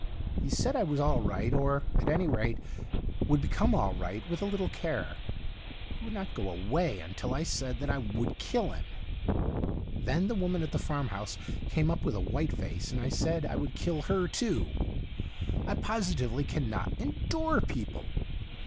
He said I was all right, or, at any rate, would become all right, with a little care. He Avould not go away until I said that I would kill him. Then the woman at the farmhouse came up with a white face, and I said I would kill her too. I positively cannot endure people.